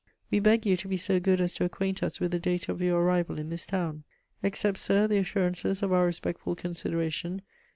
We beg you to be so good as to acquaint us with the date of your arrival in this town. "Accept, sir, the assurances of our respectful consideration.